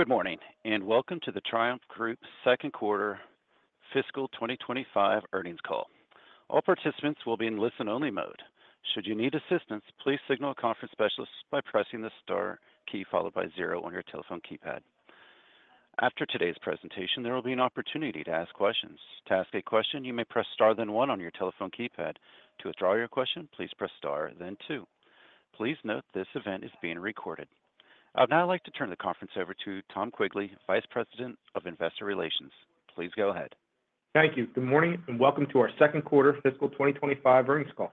Good morning, and welcome to the Triumph Group second quarter fiscal 2025 earnings call. All participants will be in listen-only mode. Should you need assistance, please signal a conference specialist by pressing the star key followed by zero on your telephone keypad. After today's presentation, there will be an opportunity to ask questions. To ask a question, you may press star then one on your telephone keypad. To withdraw your question, please press star then two. Please note this event is being recorded. I'd now like to turn the conference over to Tom Quigley, Vice President of Investor Relations. Please go ahead. Thank you. Good morning, and welcome to our second quarter fiscal 2025 earnings call.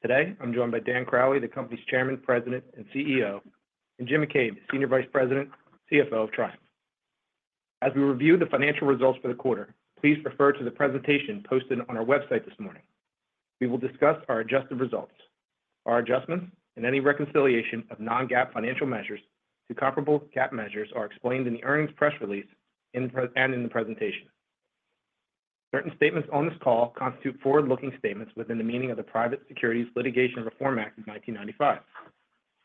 Today, I'm joined by Dan Crowley, the company's Chairman, President, and CEO, and Jim McCabe, Senior Vice President and CFO of Triumph. As we review the financial results for the quarter, please refer to the presentation posted on our website this morning. We will discuss our adjusted results. Our adjustments and any reconciliation of non-GAAP financial measures to comparable GAAP measures are explained in the earnings press release and in the presentation. Certain statements on this call constitute forward-looking statements within the meaning of the Private Securities Litigation Reform Act of 1995.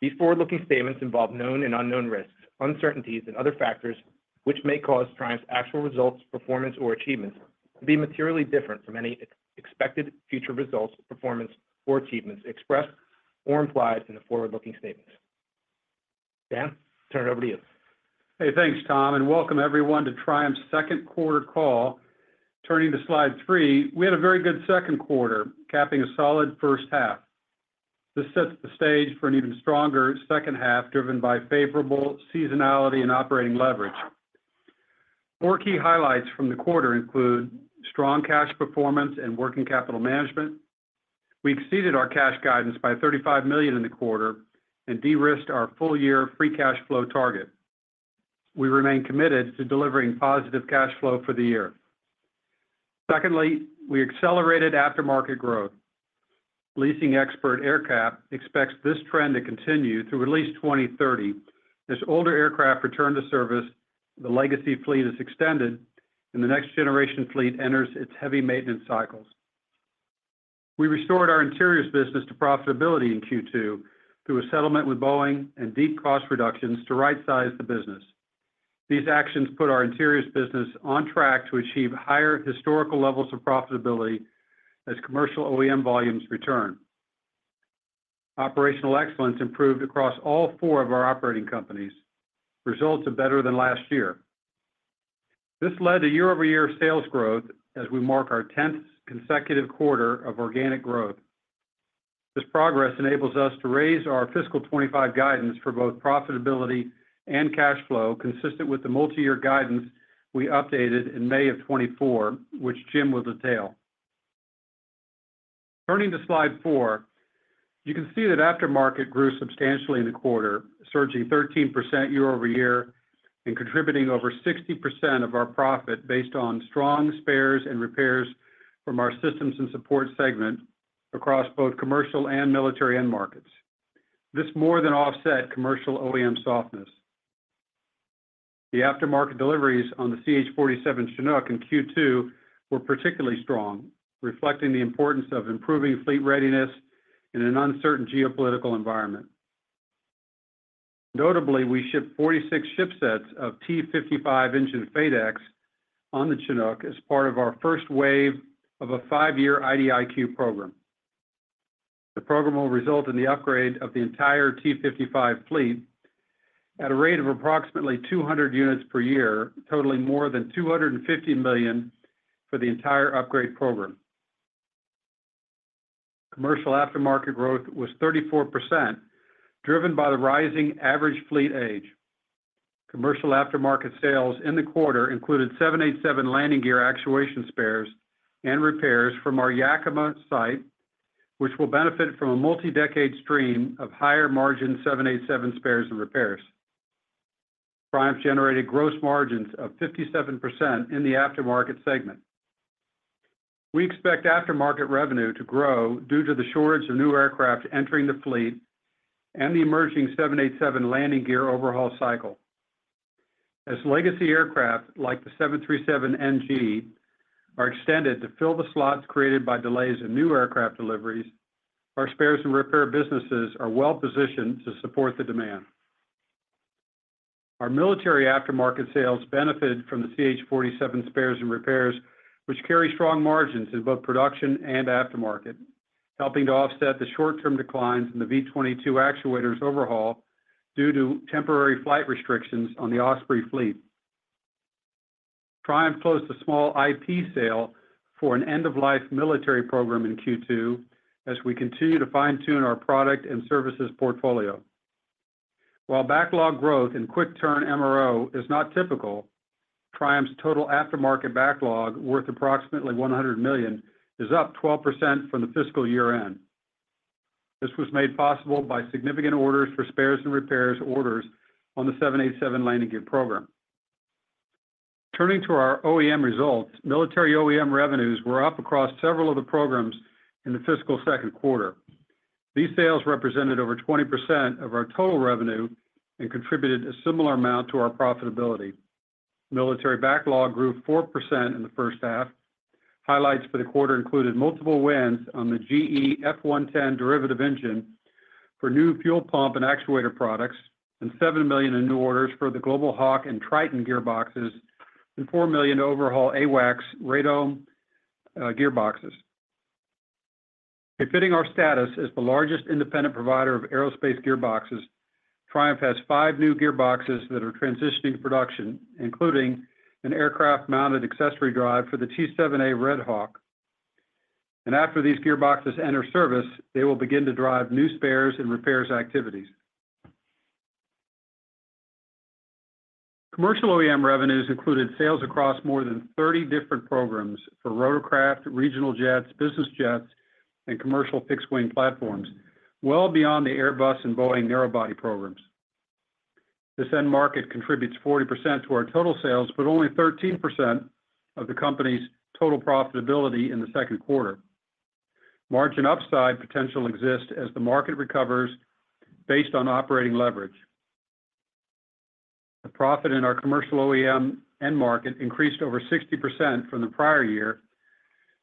These forward-looking statements involve known and unknown risks, uncertainties, and other factors which may cause Triumph's actual results, performance, or achievements to be materially different from any expected future results, performance, or achievements expressed or implied in the forward-looking statements. Dan, turn it over to you. Hey, thanks, Tom, and welcome everyone to Triumph's second quarter call. Turning to slide three, we had a very good second quarter, capping a solid first half. This sets the stage for an even stronger second half driven by favorable seasonality and operating leverage. Four key highlights from the quarter include strong cash performance and working capital management. We exceeded our cash guidance by $35 million in the quarter and de-risked our full-year free cash flow target. We remain committed to delivering positive cash flow for the year. Secondly, we accelerated aftermarket growth. Leasing expert AerCap expects this trend to continue through at least 2030. As older aircraft return to service, the legacy fleet is extended, and the next generation fleet enters its heavy maintenance cycles. We restored our Interiors business to profitability in Q2 through a settlement with Boeing and deep cost reductions to right-size the business. These actions put our Interiors business on track to achieve higher historical levels of profitability as commercial OEM volumes return. Operational excellence improved across all four of our operating companies. Results are better than last year. This led to year-over-year sales growth as we mark our 10th consecutive quarter of organic growth. This progress enables us to raise our fiscal 25 guidance for both profitability and cash flow consistent with the multi-year guidance we updated in May of 2024, which Jim will detail. Turning to slide four, you can see that aftermarket grew substantially in the quarter, surging 13% year-over-year and contributing over 60% of our profit based on strong spares and repairs from our Systems & Support segment across both commercial and military end markets. This more than offset commercial OEM softness. The aftermarket deliveries on the CH-47 Chinook in Q2 were particularly strong, reflecting the importance of improving fleet readiness in an uncertain geopolitical environment. Notably, we shipped 46 ship sets of T55 engine FADEC on the Chinook as part of our first wave of a five-year IDIQ program. The program will result in the upgrade of the entire T55 fleet at a rate of approximately 200 units per year, totaling more than $250 million for the entire upgrade program. Commercial aftermarket growth was 34%, driven by the rising average fleet age. Commercial aftermarket sales in the quarter included 787 landing gear actuation spares and repairs from our Yakima site, which will benefit from a multi-decade stream of higher margin 787 spares and repairs. Triumph generated gross margins of 57% in the aftermarket segment. We expect aftermarket revenue to grow due to the shortage of new aircraft entering the fleet and the emerging 787 landing gear overhaul cycle. As legacy aircraft like the 737NG are extended to fill the slots created by delays in new aircraft deliveries, our spares and repair businesses are well positioned to support the demand. Our military aftermarket sales benefited from the CH-47 spares and repairs, which carry strong margins in both production and aftermarket, helping to offset the short-term declines in the V-22 actuators overhaul due to temporary flight restrictions on the Osprey fleet. Triumph closed a small IP sale for an end-of-life military program in Q2 as we continue to fine-tune our product and services portfolio. While backlog growth in quick-turn MRO is not typical, Triumph's total aftermarket backlog worth approximately $100 million is up 12% from the fiscal year-end. This was made possible by significant orders for spares and repairs orders on the 787 landing gear program. Turning to our OEM results, military OEM revenues were up across several of the programs in the fiscal second quarter. These sales represented over 20% of our total revenue and contributed a similar amount to our profitability. Military backlog grew 4% in the first half. Highlights for the quarter included multiple wins on the GE F110 derivative engine for new fuel pump and actuator products and $7 million in new orders for the Global Hawk and Triton gearboxes and $4 million overhaul AWACS radome gearboxes. Fitting our status as the largest independent provider of aerospace gearboxes, Triumph has five new gearboxes that are transitioning to production, including an aircraft-mounted accessory drive for the T-7A Red Hawk, and after these gearboxes enter service, they will begin to drive new spares and repairs activities. Commercial OEM revenues included sales across more than 30 different programs for rotorcraft, regional jets, business jets, and commercial fixed-wing platforms, well beyond the Airbus and Boeing narrowbody programs. This end market contributes 40% to our total sales, but only 13% of the company's total profitability in the second quarter. Margin upside potential exists as the market recovers based on operating leverage. The profit in our commercial OEM end market increased over 60% from the prior year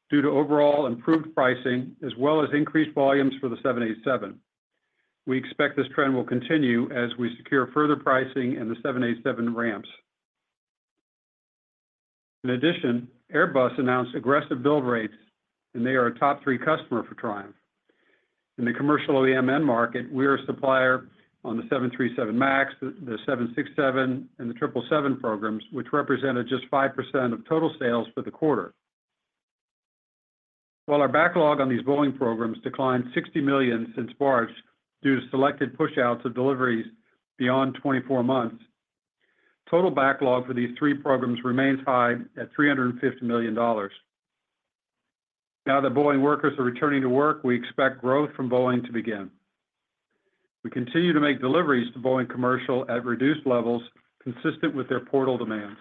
due to overall improved pricing as well as increased volumes for the 787. We expect this trend will continue as we secure further pricing in the 787 ramps. In addition, Airbus announced aggressive build rates, and they are a top-three customer for Triumph. In the commercial OEM end market, we are a supplier on the 737 MAX, the 767, and the 777 programs, which represented just 5% of total sales for the quarter. While our backlog on these Boeing programs declined $60 million since March due to selected push-outs of deliveries beyond 24 months, total backlog for these three programs remains high at $350 million. Now that Boeing workers are returning to work, we expect growth from Boeing to begin. We continue to make deliveries to Boeing Commercial at reduced levels consistent with their portal demands,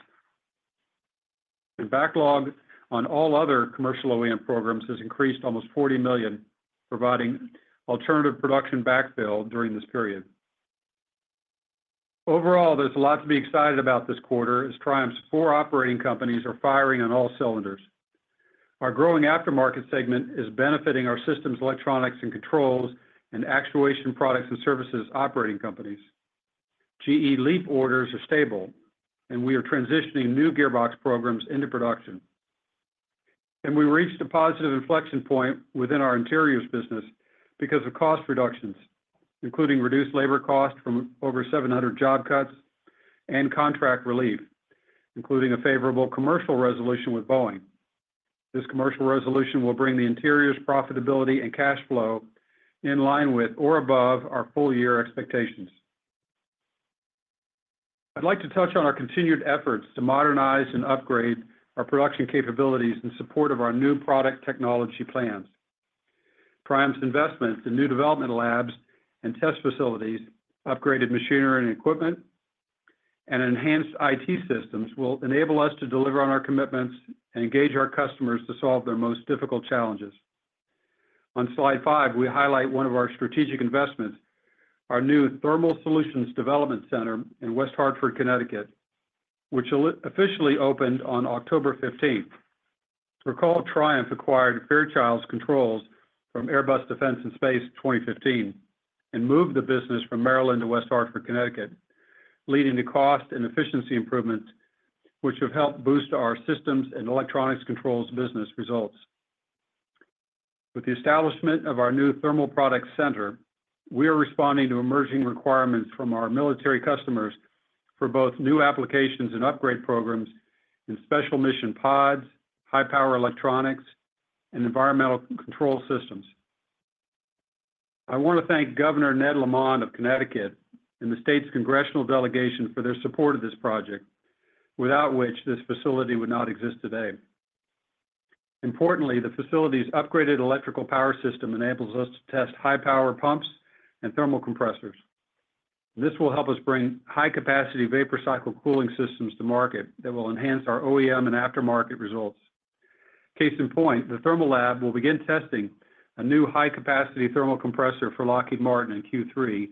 and backlog on all other commercial OEM programs has increased almost $40 million, providing alternative production backfill during this period. Overall, there's a lot to be excited about this quarter as Triumph's four operating companies are firing on all cylinders. Our growing aftermarket segment is benefiting our Systems, Electronics & Controls, and Actuation Products & Services operating companies. GE LEAP orders are stable, and we are transitioning new gearbox programs into production. We reached a positive inflection point within our Interiors business because of cost reductions, including reduced labor costs from over 700 job cuts and contract relief, including a favorable commercial resolution with Boeing. This commercial resolution will bring the Interiors' profitability and cash flow in line with or above our full-year expectations. I'd like to touch on our continued efforts to modernize and upgrade our production capabilities in support of our new product technology plans. Triumph's investments in new development labs and test facilities, upgraded machinery and equipment, and enhanced IT systems will enable us to deliver on our commitments and engage our customers to solve their most difficult challenges. On slide five, we highlight one of our strategic investments, our new thermal solutions development center in West Hartford, Connecticut, which officially opened on October 15th. Recall Triumph acquired Fairchild Controls from Airbus Defence and Space 2015 and moved the business from Maryland to West Hartford, Connecticut, leading to cost and efficiency improvements which have helped boost our systems and electronics controls business results. With the establishment of our new thermal product center, we are responding to emerging requirements from our military customers for both new applications and upgrade programs in special mission pods, high-power electronics, and environmental control systems. I want to thank Governor Ned Lamont of Connecticut and the state's congressional delegation for their support of this project, without which this facility would not exist today. Importantly, the facility's upgraded electrical power system enables us to test high-power pumps and thermal compressors. This will help us bring high-capacity vapor cycle cooling systems to market that will enhance our OEM and aftermarket results. Case in point, the thermal lab will begin testing a new high-capacity thermal compressor for Lockheed Martin in Q3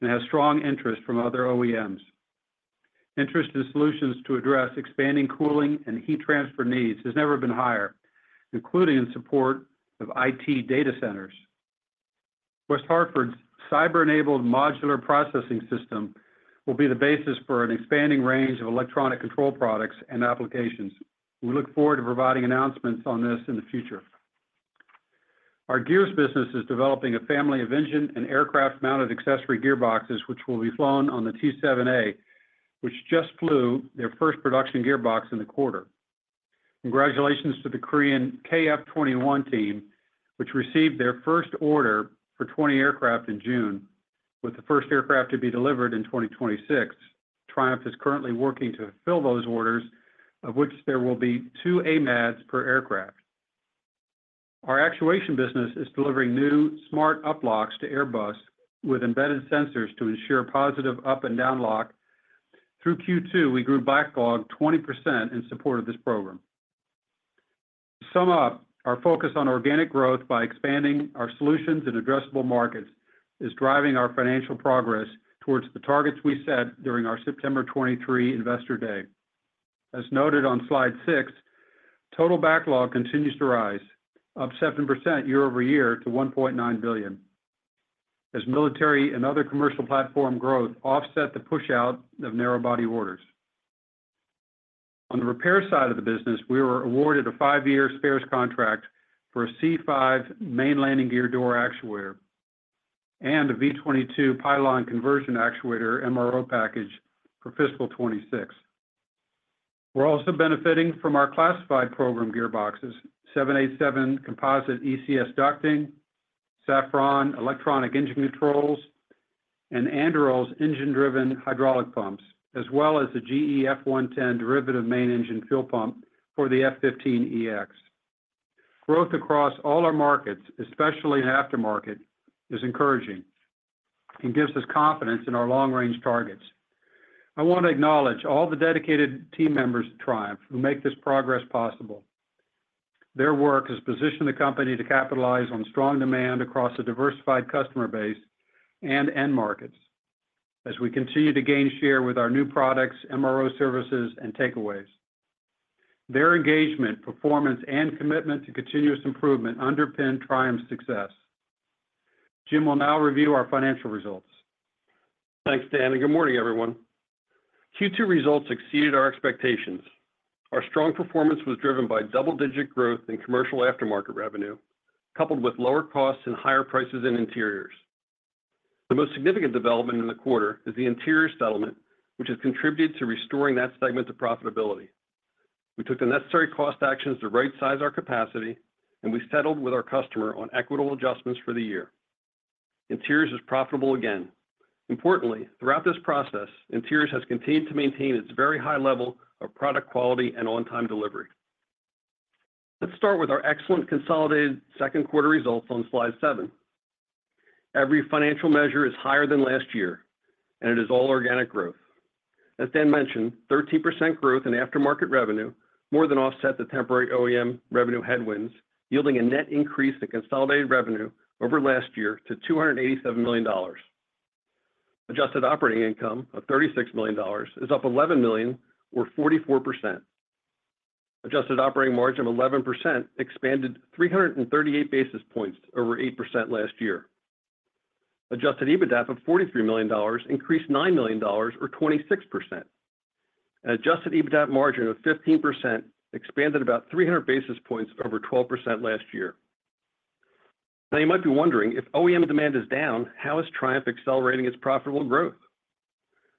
and has strong interest from other OEMs. Interest in solutions to address expanding cooling and heat transfer needs has never been higher, including in support of IT data centers. West Hartford's cyber-enabled modular processing system will be the basis for an expanding range of electronic control products and applications. We look forward to providing announcements on this in the future. Our gears business is developing a family of engine and aircraft-mounted accessory gearboxes, which will be flown on the T-7A, which just flew their first production gearbox in the quarter. Congratulations to the Korean KF-21 team, which received their first order for 20 aircraft in June, with the first aircraft to be delivered in 2026. Triumph is currently working to fill those orders, of which there will be two AMADs per aircraft. Our actuation business is delivering new Smart Uplocks to Airbus with embedded sensors to ensure positive up and down lock. Through Q2, we grew backlog 20% in support of this program. To sum up, our focus on organic growth by expanding our solutions and addressable markets is driving our financial progress towards the targets we set during our September 2023 investor day. As noted on slide six, total backlog continues to rise, up 7% year-over-year to $1.9 billion, as military and other commercial platform growth offsets the push-out of narrowbody orders. On the repair side of the business, we were awarded a five-year spares contract for a C-5 main landing gear door actuator and a V-22 pylon conversion actuator MRO package for fiscal 2026. We're also benefiting from our classified program gearboxes: 787 composite ECS ducting, Safran electronic engine controls, and Anduril's engine-driven hydraulic pumps, as well as the GE F110 derivative main engine fuel pump for the F-15EX. Growth across all our markets, especially in aftermarket, is encouraging and gives us confidence in our long-range targets. I want to acknowledge all the dedicated team members at Triumph who make this progress possible. Their work has positioned the company to capitalize on strong demand across a diversified customer base and end markets as we continue to gain share with our new products, MRO services, and takeaways. Their engagement, performance, and commitment to continuous improvement underpin Triumph's success. Jim will now review our financial results. Thanks, Dan. And good morning, everyone. Q2 results exceeded our expectations. Our strong performance was driven by double-digit growth in commercial aftermarket revenue, coupled with lower costs and higher prices in Interiors. The most significant development in the quarter is the interior settlement, which has contributed to restoring that segment of profitability. We took the necessary cost actions to right-size our capacity, and we settled with our customer on equitable adjustments for the year. Interiors is profitable again. Importantly, throughout this process, Interiors has continued to maintain its very high level of product quality and on-time delivery. Let's start with our excellent consolidated second quarter results on slide seven. Every financial measure is higher than last year, and it is all organic growth. As Dan mentioned, 13% growth in aftermarket revenue more than offsets the temporary OEM revenue headwinds, yielding a net increase in consolidated revenue over last year to $287 million. Adjusted operating income of $36 million is up $11 million, or 44%. Adjusted operating margin of 11% expanded 338 basis points over 8% last year. Adjusted EBITDA of $43 million increased $9 million, or 26%. An adjusted EBITDA margin of 15% expanded about 300 basis points over 12% last year. Now, you might be wondering, if OEM demand is down, how is Triumph accelerating its profitable growth?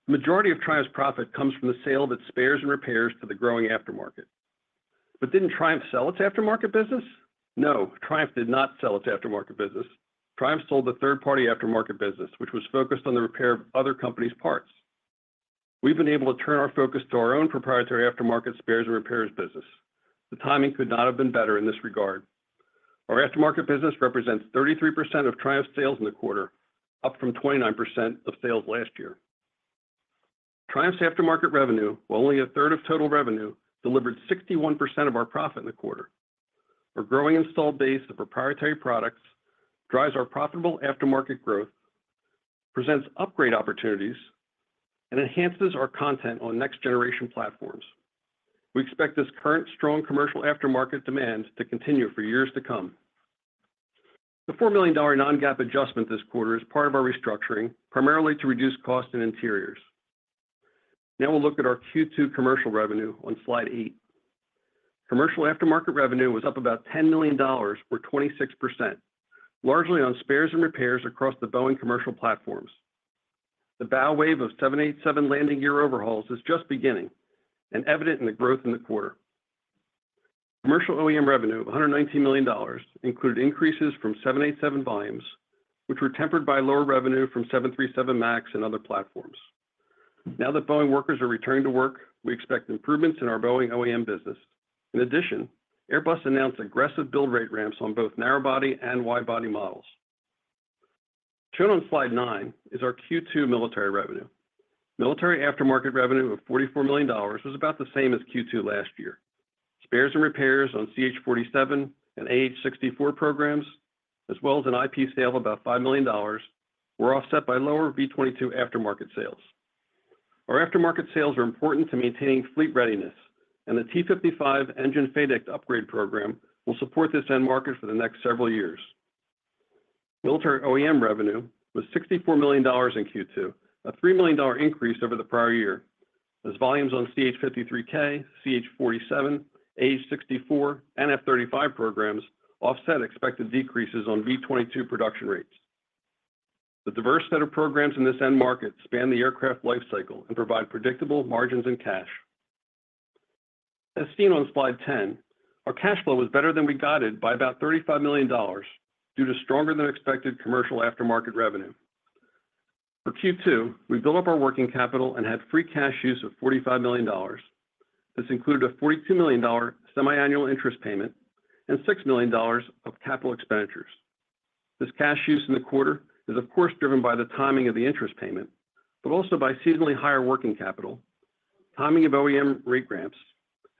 The majority of Triumph's profit comes from the sale of its spares and repairs to the growing aftermarket. But didn't Triumph sell its aftermarket business? No, Triumph did not sell its aftermarket business. Triumph sold the third-party aftermarket business, which was focused on the repair of other companies' parts. We've been able to turn our focus to our own proprietary aftermarket spares and repairs business. The timing could not have been better in this regard. Our aftermarket business represents 33% of Triumph's sales in the quarter, up from 29% of sales last year. Triumph's aftermarket revenue, while only a third of total revenue, delivered 61% of our profit in the quarter. Our growing installed base of proprietary products drives our profitable aftermarket growth, presents upgrade opportunities, and enhances our content on next-generation platforms. We expect this current strong commercial aftermarket demand to continue for years to come. The $4 million non-GAAP adjustment this quarter is part of our restructuring, primarily to reduce costs in Interiors. Now we'll look at our Q2 commercial revenue on slide eight. Commercial aftermarket revenue was up about $10 million, or 26%, largely on spares and repairs across the Boeing Commercial platforms. The bow wave of 787 landing gear overhauls is just beginning and evident in the growth in the quarter. Commercial OEM revenue of $119 million included increases from 787 volumes, which were tempered by lower revenue from 737 MAX and other platforms. Now that Boeing workers are returning to work, we expect improvements in our Boeing OEM business. In addition, Airbus announced aggressive build rate ramps on both narrowbody and widebody models. Shown on slide nine is our Q2 military revenue. Military aftermarket revenue of $44 million was about the same as Q2 last year. Spares and repairs on CH-47 and AH-64 programs, as well as an IP sale of about $5 million, were offset by lower V-22 aftermarket sales. Our aftermarket sales are important to maintaining fleet readiness, and the T55 engine FADEC upgrade program will support this end market for the next several years. Military OEM revenue was $64 million in Q2, a $3 million increase over the prior year, as volumes on CH-53K, CH-47, AH-64, and F-35 programs offset expected decreases on V-22 production rates. The diverse set of programs in this end market span the aircraft lifecycle and provide predictable margins and cash. As seen on slide 10, our cash flow was better than we guided by about $35 million due to stronger-than-expected commercial aftermarket revenue. For Q2, we built up our working capital and had free cash use of $45 million. This included a $42 million semiannual interest payment and $6 million of capital expenditures. This cash use in the quarter is, of course, driven by the timing of the interest payment, but also by seasonally higher working capital, timing of OEM rate ramps,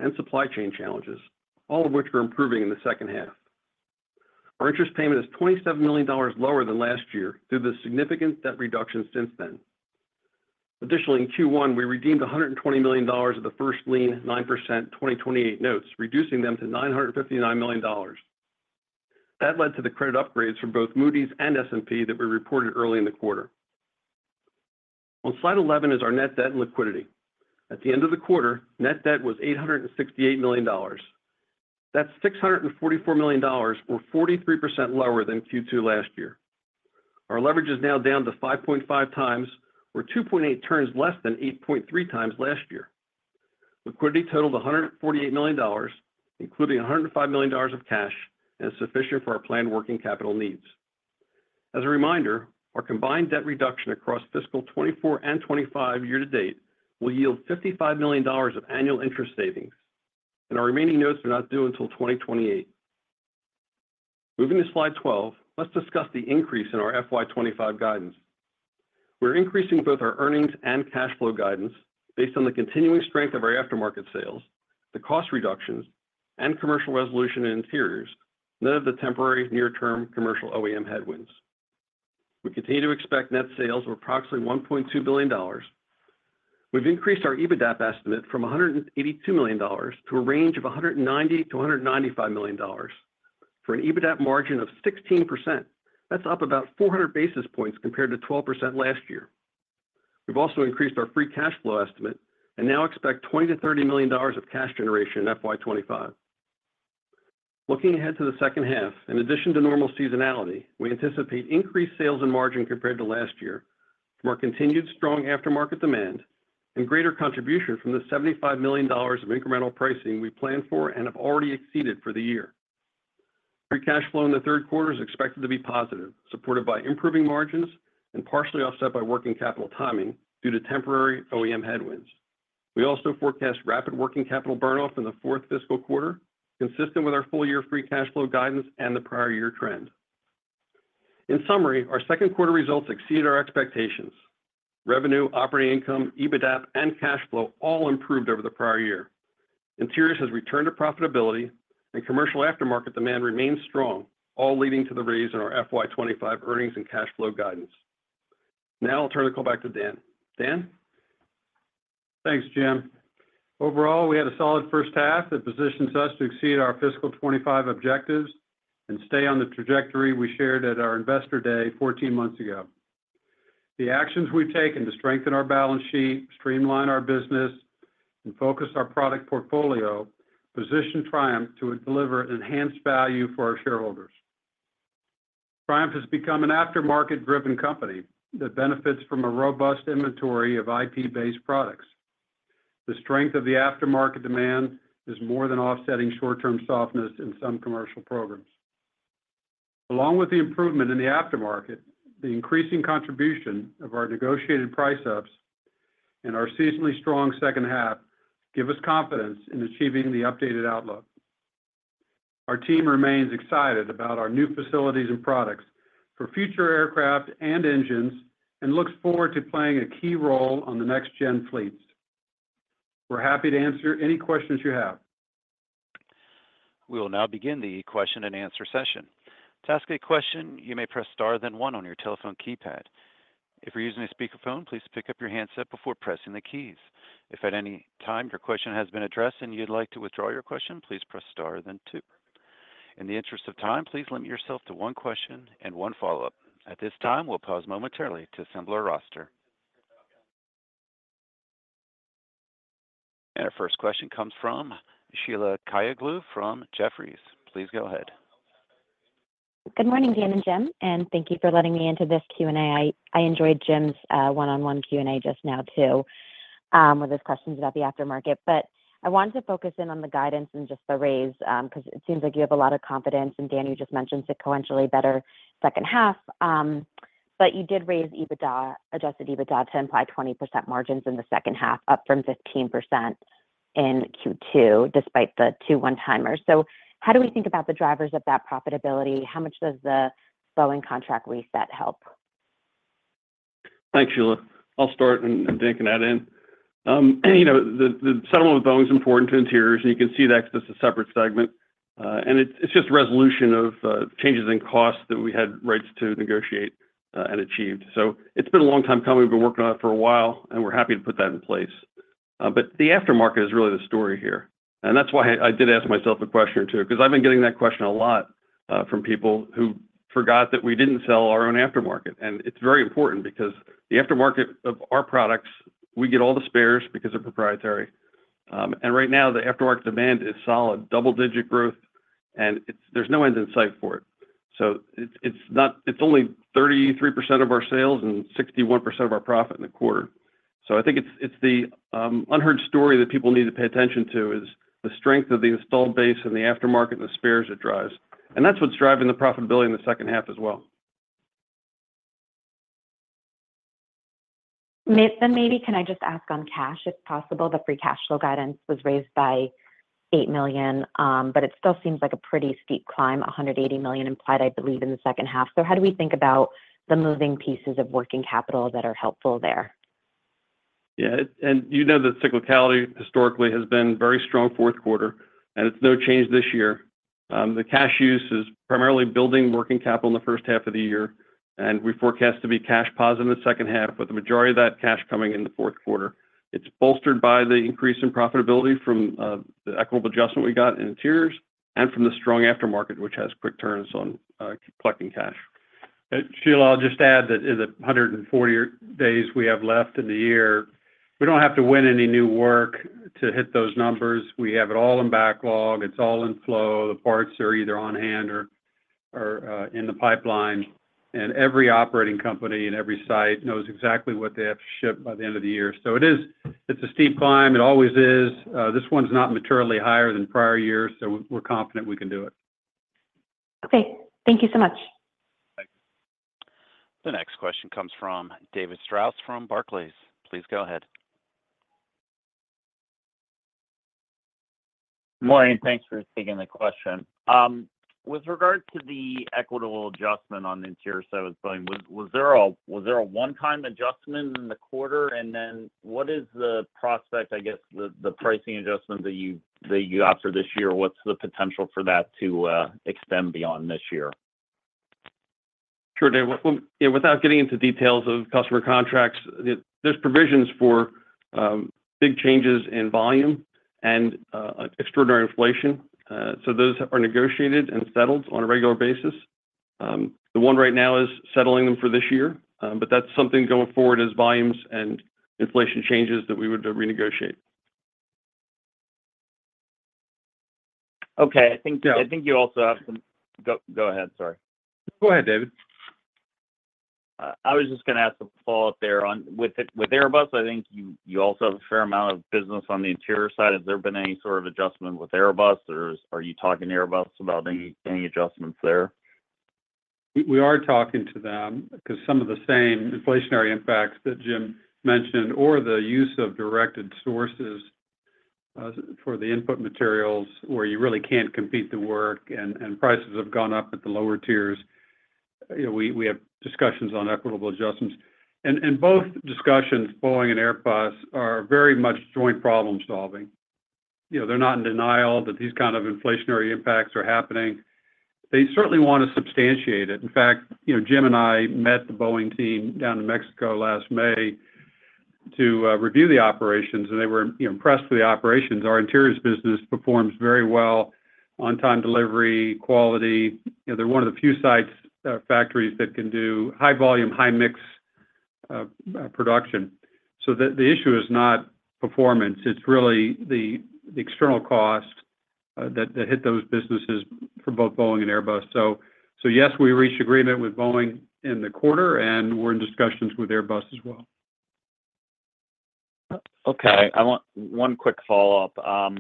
and supply chain challenges, all of which were improving in the second half. Our interest payment is $27 million lower than last year due to the significant debt reduction since then. Additionally, in Q1, we redeemed $120 million of the First Lien 9% 2028 notes, reducing them to $959 million. That led to the credit upgrades for both Moody's and S&P that we reported early in the quarter. On slide 11 is our net debt and liquidity. At the end of the quarter, net debt was $868 million. That's $644 million, or 43% lower than Q2 last year. Our leverage is now down to 5.5 times, or 2.8 turns less than 8.3 times last year. Liquidity totaled $148 million, including $105 million of cash, and is sufficient for our planned working capital needs. As a reminder, our combined debt reduction across fiscal 2024 and 2025 year-to-date will yield $55 million of annual interest savings, and our remaining notes are not due until 2028. Moving to slide 12, let's discuss the increase in our FY25 guidance. We're increasing both our earnings and cash flow guidance based on the continuing strength of our aftermarket sales, the cost reductions, and commercial resolution in Interiors. None of the temporary near-term commercial OEM headwinds. We continue to expect net sales of approximately $1.2 billion. We've increased our EBITDA estimate from $182 million to a range of $190-$195 million for an EBITDA margin of 16%. That's up about 400 basis points compared to 12% last year. We've also increased our free cash flow estimate and now expect $20-$30 million of cash generation in FY25. Looking ahead to the second half, in addition to normal seasonality, we anticipate increased sales and margin compared to last year from our continued strong aftermarket demand and greater contribution from the $75 million of incremental pricing we planned for and have already exceeded for the year. Free cash flow in the third quarter is expected to be positive, supported by improving margins and partially offset by working capital timing due to temporary OEM headwinds. We also forecast rapid working capital burn-off in the fourth fiscal quarter, consistent with our full-year free cash flow guidance and the prior year trend. In summary, our second quarter results exceeded our expectations. Revenue, operating income, EBITDA, and cash flow all improved over the prior year. Interiors has returned to profitability, and commercial aftermarket demand remains strong, all leading to the raise in our FY25 earnings and cash flow guidance. Now I'll turn the call back to Dan. Dan? Thanks, Jim. Overall, we had a solid first half that positions us to exceed our fiscal 2025 objectives and stay on the trajectory we shared at our investor day 14 months ago. The actions we've taken to strengthen our balance sheet, streamline our business, and focus our product portfolio position Triumph to deliver enhanced value for our shareholders. Triumph has become an aftermarket-driven company that benefits from a robust inventory of IP-based products. The strength of the aftermarket demand is more than offsetting short-term softness in some commercial programs. Along with the improvement in the aftermarket, the increasing contribution of our negotiated price ups and our seasonally strong second half give us confidence in achieving the updated outlook. Our team remains excited about our new facilities and products for future aircraft and engines and looks forward to playing a key role on the next-gen fleets. We're happy to answer any questions you have. We will now begin the question and answer session. To ask a question, you may press star then one on your telephone keypad. If you're using a speakerphone, please pick up your handset before pressing the keys. If at any time your question has been addressed and you'd like to withdraw your question, please press star then two. In the interest of time, please limit yourself to one question and one follow-up. At this time, we'll pause momentarily to assemble our roster, and our first question comes from Sheila Kahyaoglu from Jefferies. Please go ahead. Good morning, Dan and Jim, and thank you for letting me into this Q&A. I enjoyed Jim's one-on-one Q&A just now too with his questions about the aftermarket. But I wanted to focus in on the guidance and just the raise because it seems like you have a lot of confidence. And Dan, you just mentioned sequentially better second half. But you did raise Adjusted EBITDA to imply 20% margins in the second half, up from 15% in Q2 despite the two one-timers. So how do we think about the drivers of that profitability? How much does the Boeing contract reset help? Thanks, Sheila. I'll start and then can add in. The settlement with Boeing is important to Interiors, and you can see that's just a separate segment. And it's just resolution of changes in costs that we had rights to negotiate and achieved. So it's been a long time coming. We've been working on it for a while, and we're happy to put that in place, but the aftermarket is really the story here, and that's why I did ask myself a question or two because I've been getting that question a lot from people who forgot that we didn't sell our own aftermarket, and it's very important because the aftermarket of our products. We get all the spares because they're proprietary, and right now, the aftermarket demand is solid, double-digit growth, and there's no end in sight for it, so it's only 33% of our sales and 61% of our profit in the quarter, so I think it's the unheard story that people need to pay attention to is the strength of the installed base and the aftermarket and the spares it drives, and that's what's driving the profitability in the second half as well. Then, maybe can I just ask on cash, if possible? The free cash flow guidance was raised by $8 million, but it still seems like a pretty steep climb, $180 million implied, I believe, in the second half. So how do we think about the moving pieces of working capital that are helpful there? Yeah. And you know the cyclicality historically has been very strong fourth quarter, and it's no change this year. The cash use is primarily building working capital in the first half of the year, and we forecast to be cash positive in the second half, with the majority of that cash coming in the fourth quarter. It's bolstered by the increase in profitability from the equitable adjustment we got in Interiors and from the strong aftermarket, which has quick turns on collecting cash. Sheila, I'll just add that in the 140 days we have left in the year, we don't have to win any new work to hit those numbers. We have it all in backlog. It's all in flow. The parts are either on hand or in the pipeline. And every operating company and every site knows exactly what they have to ship by the end of the year. So it's a steep climb. It always is. This one's not materially higher than prior years, so we're confident we can do it. Okay. Thank you so much. The next question comes from David Strauss from Barclays. Please go ahead. Good morning. Thanks for taking the question. With regard to the equitable adjustment on Interiors side with Boeing, was there a one-time adjustment in the quarter? And then what is the prospect, I guess, the pricing adjustment that you offer this year? What's the potential for that to extend beyond this year? Sure, David. Without getting into details of customer contracts, there's provisions for big changes in volume and extraordinary inflation. So those are negotiated and settled on a regular basis. The one right now is settling them for this year, but that's something going forward as volumes and inflation changes that we would renegotiate. Okay. I think you also have some go ahead. Sorry. Go ahead, David. I was just going to ask a follow-up there on with Airbus. I think you also have a fair amount of business on the Interior side. Has there been any sort of adjustment with Airbus, or are you talking to Airbus about any adjustments there? We are talking to them because some of the same inflationary impacts that Jim mentioned or the use of directed sources for the input materials where you really can't compete the work and prices have gone up at the lower tiers. We have discussions on equitable adjustments, and both discussions, Boeing and Airbus, are very much joint problem-solving. They're not in denial that these kinds of inflationary impacts are happening. They certainly want to substantiate it. In fact, Jim and I met the Boeing team down in Mexico last May to review the operations, and they were impressed with the operations. Our Interiors business performs very well on time delivery, quality. They're one of the few factories that can do high volume, high mix production, so the issue is not performance. It's really the external cost that hit those businesses for both Boeing and Airbus. So yes, we reached agreement with Boeing in the quarter, and we're in discussions with Airbus as well. Okay. I want one quick follow-up.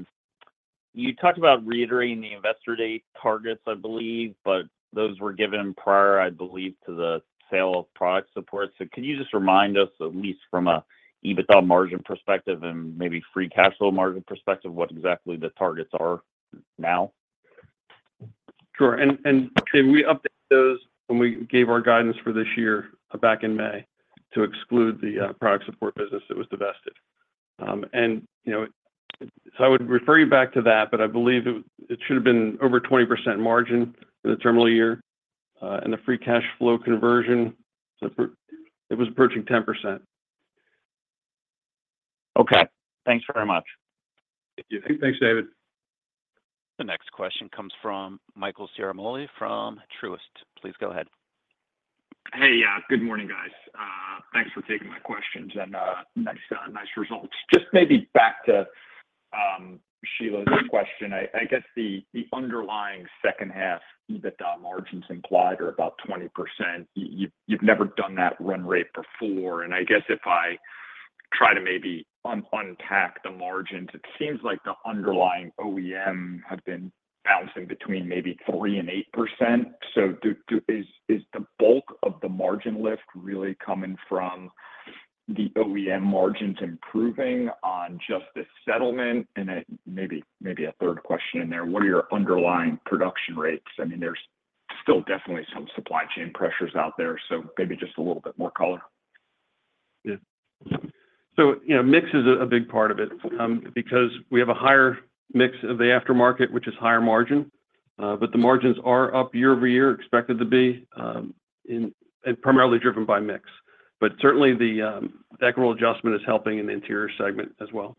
You talked about reiterating the Investor Day targets, I believe, but those were given prior, I believe, to the sale of Product Support. So can you just remind us, at least from an EBITDA margin perspective and maybe free cash flow margin perspective, what exactly the targets are now? Sure. And we updated those when we gave our guidance for this year back in May to exclude the Product Support business that was divested. And so I would refer you back to that, but I believe it should have been over 20% margin in the terminal year and the free cash flow conversion. It was approaching 10%. Okay. Thanks very much. Thank you. Thanks, David. The next question comes from Michael Ciarmoli from Truist. Please go ahead. Hey, yeah. Good morning, guys. Thanks for taking my questions and nice results. Just maybe back to Sheila's question. I guess the underlying second half EBITDA margins implied are about 20%. You've never done that run rate before. And I guess if I try to maybe unpack the margins, it seems like the underlying OEM have been bouncing between maybe 3%-8%. So is the bulk of the margin lift really coming from the OEM margins improving on just the settlement? And maybe a third question in there. What are your underlying production rates? I mean, there's still definitely some supply chain pressures out there, so maybe just a little bit more color. Yeah. So mix is a big part of it because we have a higher mix of the aftermarket, which is higher margin, but the margins are up year-over-year, expected to be, and primarily driven by mix. But certainly, the equitable adjustment is helping in the Interiors segment as well.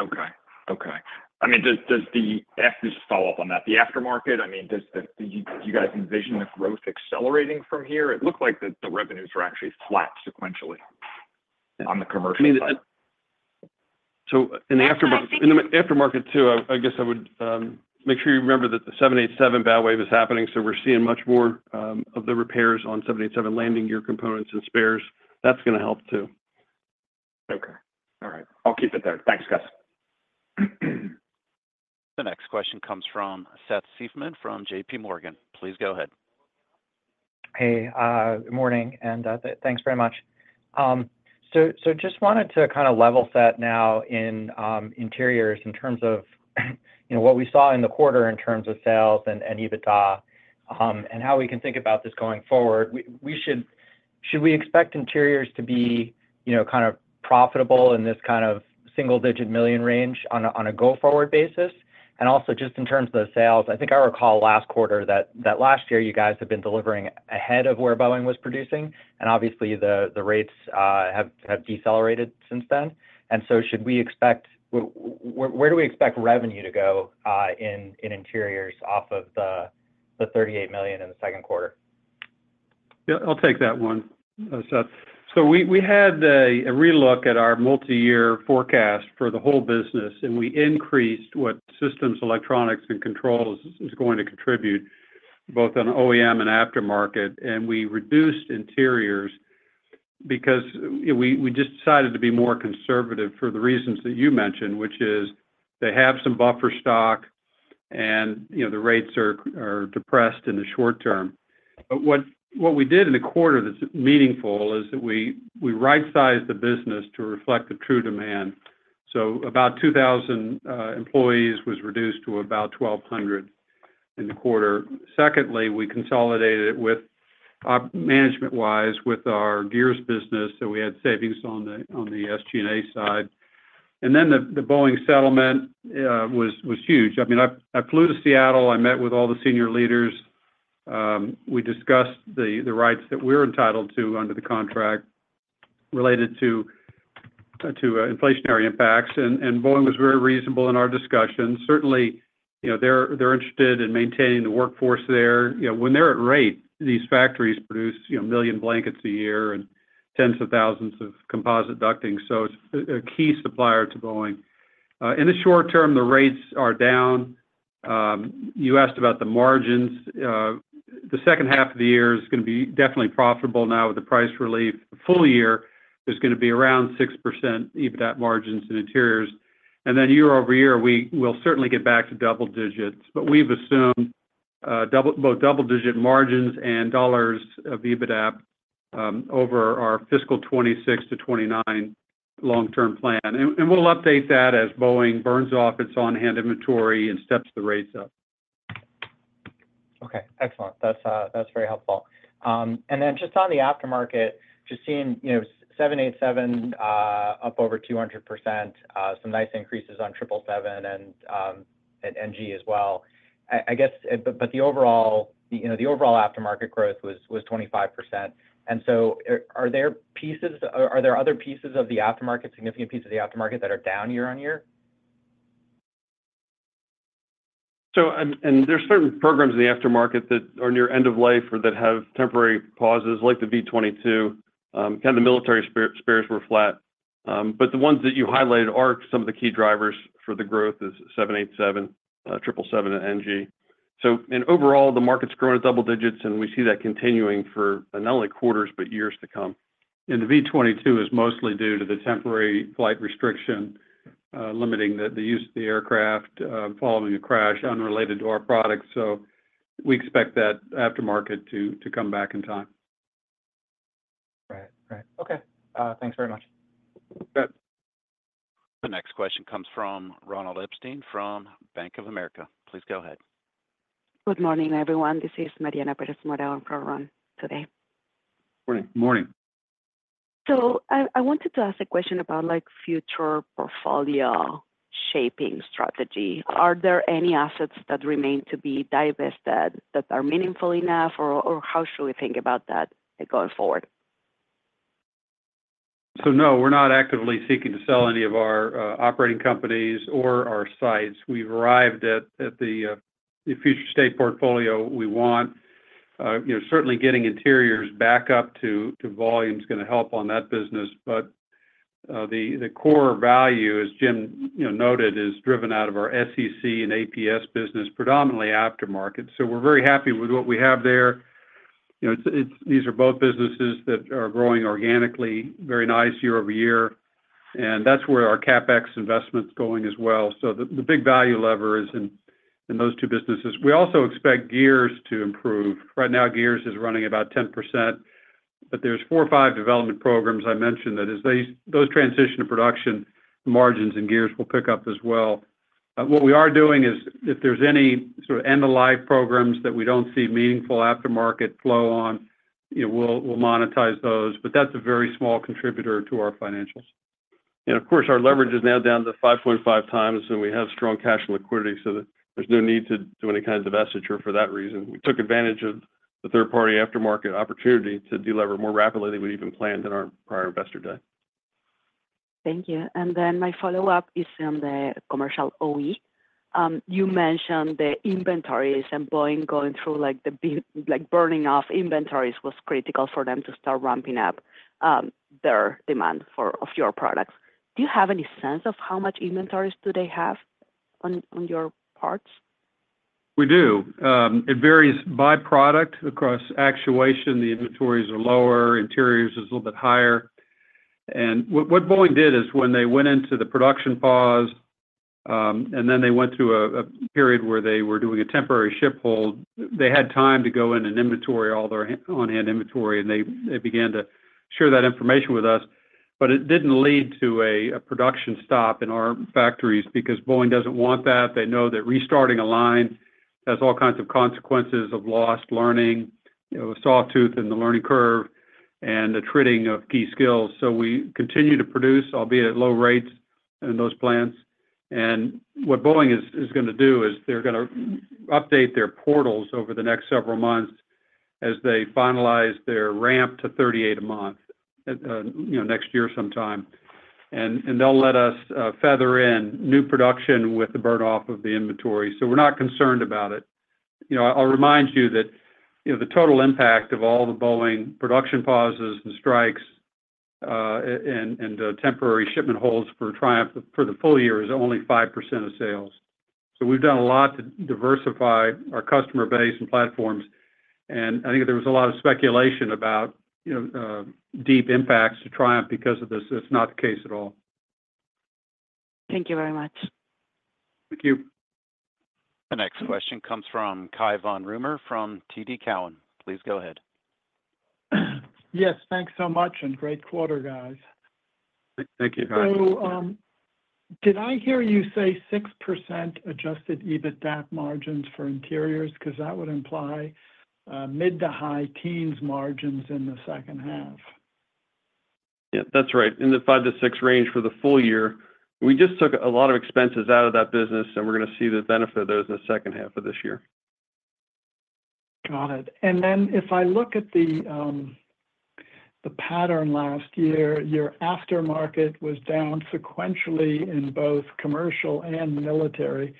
Okay. Okay. I mean, just to follow up on that, the aftermarket, I mean, do you guys envision the growth accelerating from here? It looked like the revenues were actually flat sequentially on the commercial side. So in the aftermarket too, I guess I would make sure you remember that the 787 bow wave is happening. So we're seeing much more of the repairs on 787 landing gear components and spares. That's going to help too. Okay. All right. I'll keep it there. Thanks, guys. The next question comes from Seth Seifman from JPMorgan. Please go ahead. Hey. Good morning. Thanks very much. I just wanted to kind of level set now in Interiors in terms of what we saw in the quarter in terms of sales and EBITDA and how we can think about this going forward. Should we expect Interiors to be kind of profitable in this kind of single-digit million range on a go-forward basis? And also just in terms of the sales, I think I recall last quarter that last year you guys have been delivering ahead of where Boeing was producing. And obviously, the rates have decelerated since then. And so should we expect where do we expect revenue to go in Interiors off of the $38 million in the second quarter? Yeah. I'll take that one, Seth. So we had a re-look at our multi-year forecast for the whole business, and we increased what Systems, Electronics & Controls is going to contribute both on OEM and aftermarket. And we reduced Interiors because we just decided to be more conservative for the reasons that you mentioned, which is they have some buffer stock, and the rates are depressed in the short term. But what we did in the quarter that's meaningful is that we right-sized the business to reflect the true demand. So about 2,000 employees was reduced to about 1,200 in the quarter. Secondly, we consolidated it management-wise with our gears business, so we had savings on the SG&A side. And then the Boeing settlement was huge. I mean, I flew to Seattle. I met with all the senior leaders. We discussed the rights that we're entitled to under the contract related to inflationary impacts. Boeing was very reasonable in our discussion. Certainly, they're interested in maintaining the workforce there. When they're at rate, these factories produce a million blankets a year and tens of thousands of composite ducting. So it's a key supplier to Boeing. In the short term, the rates are down. You asked about the margins. The second half of the year is going to be definitely profitable now with the price relief. The full year is going to be around 6% EBITDA margins in Interiors. Then year-over-year, we will certainly get back to double digits. But we've assumed both double-digit margins and dollars of EBITDA over our fiscal 2026-2029 long-term plan. We'll update that as Boeing burns off its on-hand inventory and steps the rates up. Okay. Excellent. That's very helpful. And then, just on the aftermarket, just seeing 787 up over 200%, some nice increases on 777 and NG as well. I guess, but the overall aftermarket growth was 25%. And so are there other pieces of the aftermarket, significant pieces of the aftermarket that are down year on year? And there's certain programs in the aftermarket that are near end of life or that have temporary pauses, like the V22. Kind of the military spares were flat. But the ones that you highlighted are some of the key drivers for the growth is 787, 777, and NG. And overall, the market's growing at double digits, and we see that continuing for not only quarters but years to come. And the V22 is mostly due to the temporary flight restriction limiting the use of the aircraft following a crash unrelated to our product. So we expect that aftermarket to come back in time. Right. Right. Okay. Thanks very much. The next question comes from Ronald Epstein from Bank of America. Please go ahead. Good morning, everyone. This is Mariana Pérez Mora for Ron today. Morning. Morning. So I wanted to ask a question about future portfolio shaping strategy. Are there any assets that remain to be divested that are meaningful enough, or how should we think about that going forward? So no, we're not actively seeking to sell any of our operating companies or our sites. We've arrived at the future state portfolio we want. Certainly, getting Interiors back up to volume is going to help on that business. But the core value, as Jim noted, is driven out of our SEC and APS business, predominantly aftermarket. So we're very happy with what we have there. These are both businesses that are growing organically, very nice year-over-year. And that's where our CapEx investment's going as well. So the big value lever is in those two businesses. We also expect gears to improve. Right now, gears is running about 10%, but there's four or five development programs I mentioned that as those transition to production, the margins in gears will pick up as well. What we are doing is if there's any sort of end-of-life programs that we don't see meaningful aftermarket flow on, we'll monetize those. But that's a very small contributor to our financials. And of course, our leverage is now down to 5.5 times, and we have strong cash and liquidity, so there's no need to do any kind of divestiture for that reason. We took advantage of the third-party aftermarket opportunity to delever more rapidly than we even planned in our prior investor day. Thank you. And then my follow-up is on the commercial OE. You mentioned the inventories and Boeing going through the burning off inventories was critical for them to start ramping up their demand for your products. Do you have any sense of how much inventories do they have on your parts? We do. It varies by product. Across actuation, the inventories are lower. Interiors is a little bit higher. And what Boeing did is when they went into the production pause, and then they went through a period where they were doing a temporary ship hold, they had time to go in and inventory all their on-hand inventory, and they began to share that information with us. But it didn't lead to a production stop in our factories because Boeing doesn't want that. They know that restarting a line has all kinds of consequences of lost learning, a soft spot in the learning curve, and the retraining of key skills. So we continue to produce, albeit at low rates in those plants. And what Boeing is going to do is they're going to update their portals over the next several months as they finalize their ramp to 38 a month next year sometime. And they'll let us feather in new production with the burn off of the inventory. So we're not concerned about it. I'll remind you that the total impact of all the Boeing production pauses and strikes and temporary shipment holds for the full year is only 5% of sales. So we've done a lot to diversify our customer base and platforms. I think there was a lot of speculation about deep impacts to Triumph because of this. That's not the case at all. Thank you very much. Thank you. The next question comes from Cai von Rumohr from TD Cowen. Please go ahead. Yes. Thanks so much. And great quarter, guys. Thank you. So did I hear you say 6% adjusted EBITDA margins for Interiors? Because that would imply mid- to high-teens margins in the second half. Yeah. That's right. In the 5%-6% range for the full year. We just took a lot of expenses out of that business, and we're going to see the benefit of those in the second half of this year. Got it. Then if I look at the pattern last year, your aftermarket was down sequentially in both commercial and military,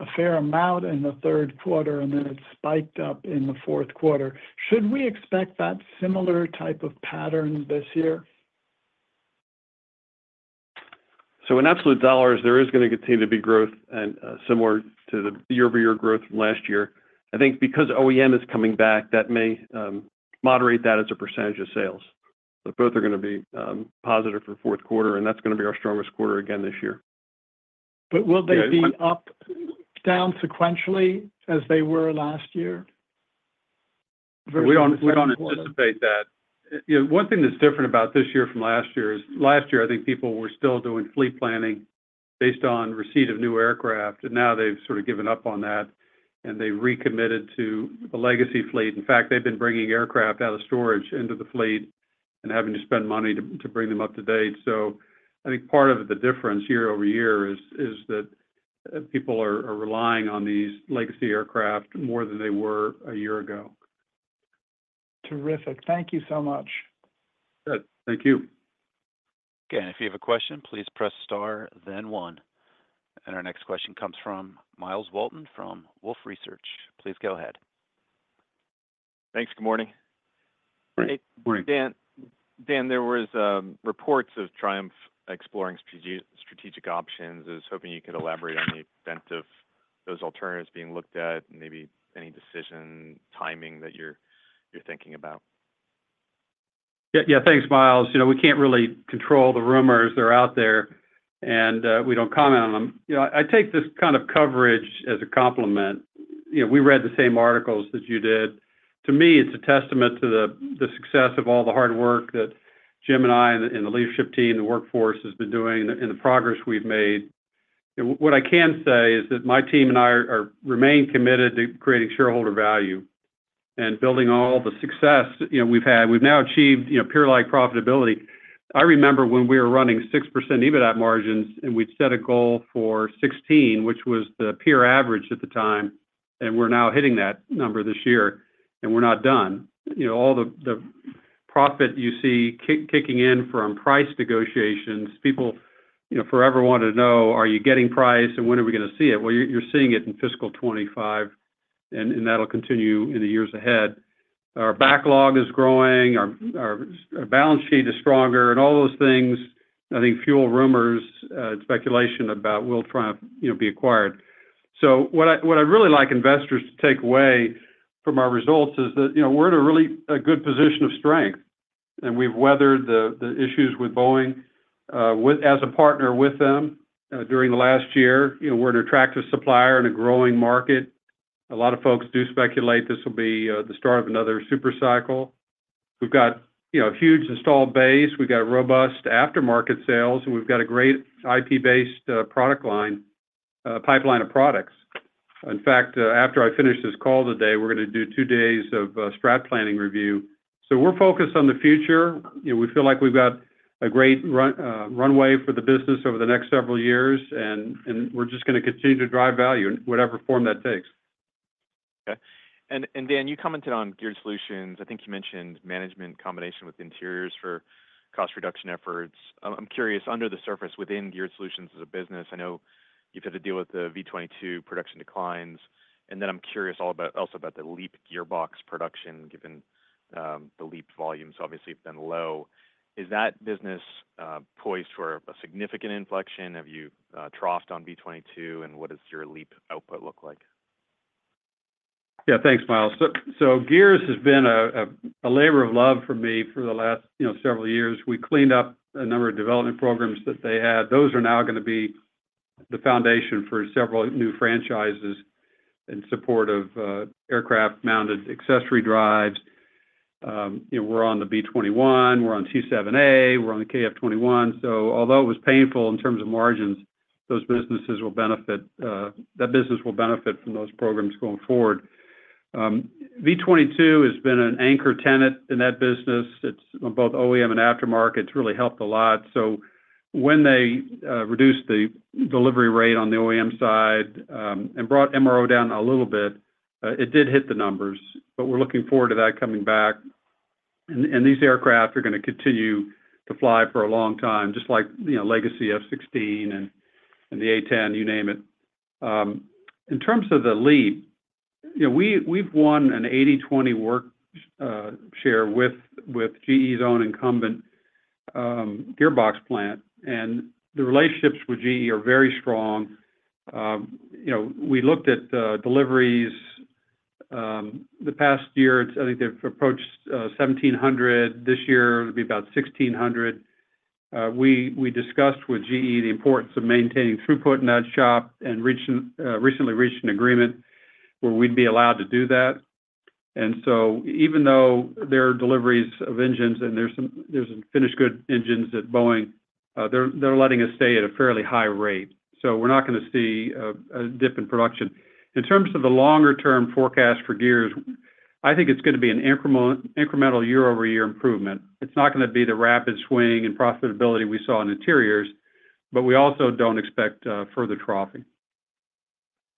a fair amount in the third quarter, and then it spiked up in the fourth quarter. Should we expect that similar type of pattern this year? So in absolute dollars, there is going to continue to be growth similar to the year-over-year growth from last year. I think because OEM is coming back, that may moderate that as a percentage of sales. But both are going to be positive for fourth quarter, and that's going to be our strongest quarter again this year. But will they be up, down sequentially as they were last year? We don't anticipate that. One thing that's different about this year from last year is last year, I think people were still doing fleet planning based on receipt of new aircraft, and now they've sort of given up on that, and they've recommitted to the legacy fleet. In fact, they've been bringing aircraft out of storage into the fleet and having to spend money to bring them up to date. So I think part of the difference year-over-year is that people are relying on these legacy aircraft more than they were a year ago. Terrific. Thank you so much. Good. Thank you. Again, if you have a question, please press star, then one. And our next question comes from Myles Walton from Wolfe Research. Please go ahead. Thanks. Good morning. Morning. Dan, there were reports of Triumph exploring strategic options. I was hoping you could elaborate on the extent of those alternatives being looked at and maybe any decision timing that you're thinking about. Yeah. Thanks, Miles. We can't really control the rumors that are out there, and we don't comment on them. I take this kind of coverage as a compliment. We read the same articles that you did. To me, it's a testament to the success of all the hard work that Jim and I and the leadership team, the workforce has been doing and the progress we've made. What I can say is that my team and I remain committed to creating shareholder value and building all the success we've had. We've now achieved peer-like profitability. I remember when we were running 6% EBITDA margins, and we'd set a goal for 16%, which was the peer average at the time, and we're now hitting that number this year, and we're not done. All the profit you see kicking in from price negotiations, people forever wanted to know, "Are you getting price, and when are we going to see it?" Well, you're seeing it in fiscal 2025, and that'll continue in the years ahead. Our backlog is growing. Our balance sheet is stronger, and all those things, I think, fuel rumors and speculation about we'll try to be acquired. So what I'd really like investors to take away from our results is that we're in a really good position of strength, and we've weathered the issues with Boeing as a partner with them during the last year. We're an attractive supplier in a growing market. A lot of folks do speculate this will be the start of another supercycle. We've got a huge installed base. We've got robust aftermarket sales, and we've got a great IP-based product line pipeline of products. In fact, after I finish this call today, we're going to do two days of strat planning review. So we're focused on the future. We feel like we've got a great runway for the business over the next several years, and we're just going to continue to drive value in whatever form that takes. Okay. And Dan, you commented on Geared Solutions. I think you mentioned management combination with Interiors for cost reduction efforts. I'm curious, under the surface within Geared Solutions as a business, I know you've had to deal with the V22 production declines. And then I'm curious also about the LEAP gearbox production given the LEAP volumes, obviously, have been low. Is that business poised for a significant inflection? Have you troughed on V22, and what does your LEAP output look like? Yeah. Thanks, Miles. So Gears has been a labor of love for me for the last several years. We cleaned up a number of development programs that they had. Those are now going to be the foundation for several new franchises in support of aircraft-mounted accessory drives. We're on the B-21. We're on T7A. We're on the KF21. So although it was painful in terms of margins, those businesses will benefit. That business will benefit from those programs going forward. V22 has been an anchor tenant in that business. It's on both OEM and aftermarket. It's really helped a lot. So when they reduced the delivery rate on the OEM side and brought MRO down a little bit, it did hit the numbers. We're looking forward to that coming back. These aircraft are going to continue to fly for a long time, just like legacy F-16 and the A-10, you name it. In terms of the LEAP, we've won an 80/20 work share with GE's own incumbent gearbox plant. The relationships with GE are very strong. We looked at deliveries the past year. I think they've approached 1,700. This year, it'll be about 1,600. We discussed with GE the importance of maintaining throughput in that shop and recently reached an agreement where we'd be allowed to do that. Even though there are deliveries of engines and there's finished goods engines at Boeing, they're letting us stay at a fairly high rate. We're not going to see a dip in production. In terms of the longer-term forecast for Gears, I think it's going to be an incremental year-over-year improvement. It's not going to be the rapid swing in profitability we saw in Interiors, but we also don't expect further troughing.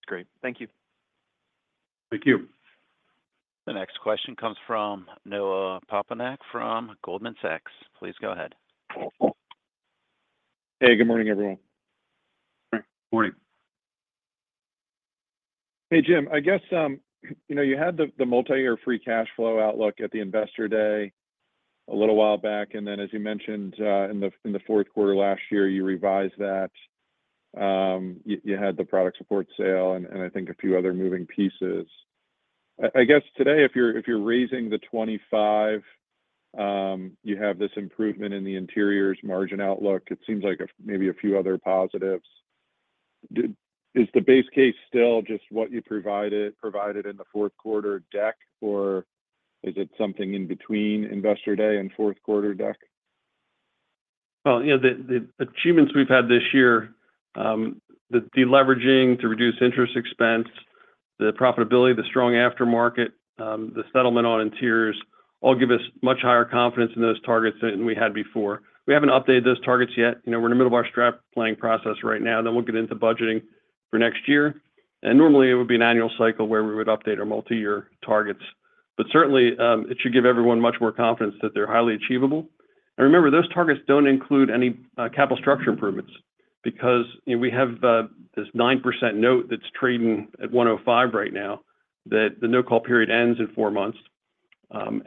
Great. Thank you. Thank you. The next question comes from Noah Poponak from Goldman Sachs. Please go ahead. Hey. Good morning, everyone. Morning. Morning. Hey, Jim. I guess you had the multi-year free cash flow outlook at the investor day a little while back, and then, as you mentioned, in the fourth quarter last year, you revised that. You had the Product Support sale and I think a few other moving pieces. I guess today, if you're raising the 25, you have this improvement in the Interiors margin outlook. It seems like maybe a few other positives. Is the base case still just what you provided in the fourth quarter deck, or is it something in between investor day and fourth quarter deck? Well, the achievements we've had this year, the leveraging to reduce interest expense, the profitability, the strong aftermarket, the settlement on Interiors all give us much higher confidence in those targets than we had before. We haven't updated those targets yet. We're in the middle of our strat planning process right now. Then we'll get into budgeting for next year. And normally, it would be an annual cycle where we would update our multi-year targets. But certainly, it should give everyone much more confidence that they're highly achievable. And remember, those targets don't include any capital structure improvements because we have this 9% note that's trading at 105 right now that the no-call period ends in four months.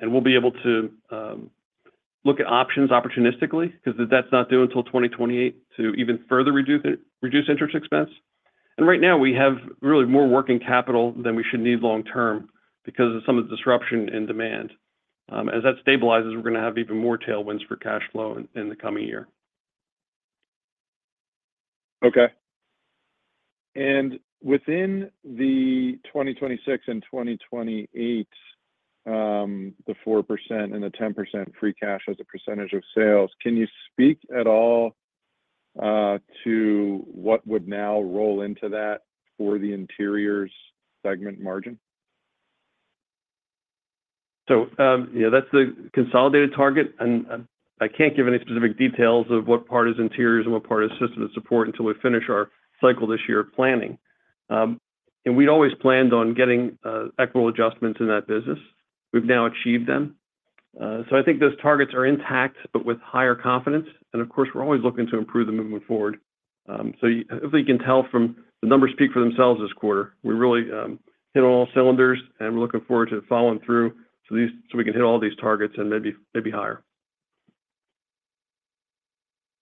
We'll be able to look at options opportunistically because that's not due until 2028 to even further reduce interest expense. And right now, we have really more working capital than we should need long-term because of some of the disruption in demand. As that stabilizes, we're going to have even more tailwinds for cash flow in the coming year. Okay. And within the 2026 and 2028, the 4% and the 10% free cash as a percentage of sales, can you speak at all to what would now roll into that for the Interiors segment margin? So yeah, that's the consolidated target. And I can't give any specific details of what part is Interiors and what part is System & Support until we finish our cycle this year of planning. And we'd always planned on getting equitable adjustments in that business. We've now achieved them. So, I think those targets are intact but with higher confidence. And of course, we're always looking to improve them moving forward. So hopefully, you can tell from the numbers speak for themselves this quarter. We really hit on all cylinders, and we're looking forward to following through so we can hit all these targets and maybe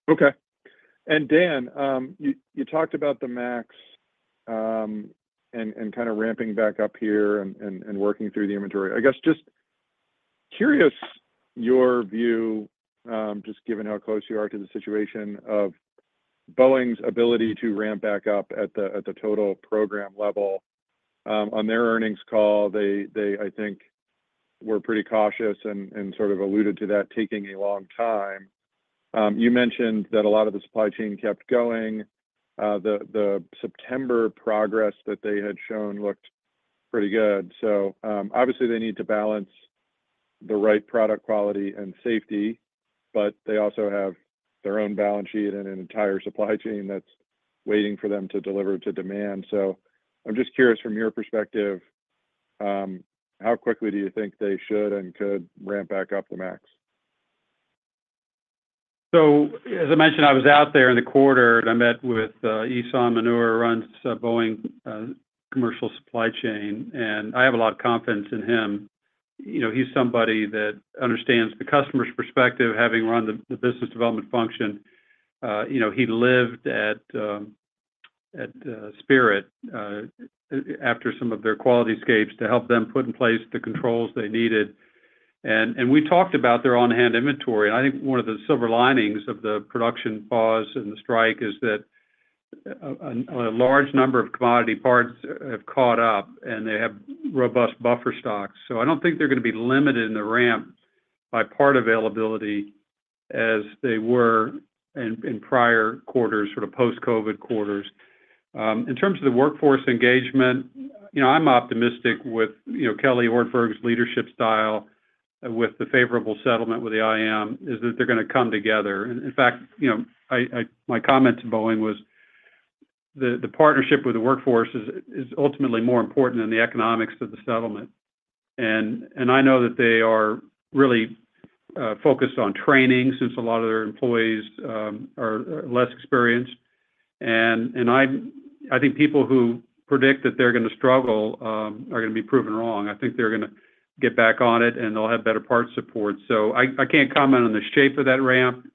higher. Okay. And Dan, you talked about the MAX and kind of ramping back up here and working through the inventory. I guess just curious your view, just given how close you are to the situation of Boeing's ability to ramp back up at the total program level. On their earnings call, they, I think, were pretty cautious and sort of alluded to that taking a long time. You mentioned that a lot of the supply chain kept going. The September progress that they had shown looked pretty good. So obviously, they need to balance the right product quality and safety, but they also have their own balance sheet and an entire supply chain that's waiting for them to deliver to demand. So I'm just curious, from your perspective, how quickly do you think they should and could ramp back up the 737 MAX? So as I mentioned, I was out there in the quarter, and I met with Ihssane Mounir who runs Boeing's commercial supply chain. And I have a lot of confidence in him. He's somebody that understands the customer's perspective, having run the business development function. He lived at Spirit after some of their quality escapes to help them put in place the controls they needed. And we talked about their on-hand inventory. And I think one of the silver linings of the production pause and the strike is that a large number of commodity parts have caught up, and they have robust buffer stocks. So I don't think they're going to be limited in the ramp by part availability as they were in prior quarters, sort of post-COVID quarters. In terms of the workforce engagement, I'm optimistic with Kelly Ortberg's leadership style with the favorable settlement with the IAM, is that they're going to come together. In fact, my comment to Boeing was the partnership with the workforce is ultimately more important than the economics of the settlement. And I know that they are really focused on training since a lot of their employees are less experienced. And I think people who predict that they're going to struggle are going to be proven wrong. I think they're going to get back on it, and they'll have better parts support. So I can't comment on the shape of that ramp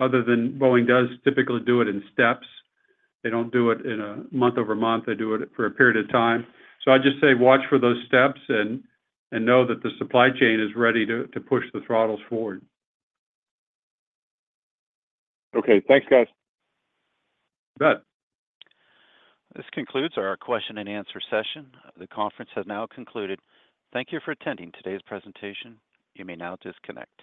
other than Boeing does typically do it in steps. They don't do it month over month. They do it for a period of time. So I'd just say watch for those steps and know that the supply chain is ready to push the throttles forward. Okay. Thanks, guys. Good. This concludes our question and answer session. The conference has now concluded. Thank you for attending today's presentation. You may now disconnect.